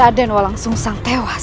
raden walang sungshang tewas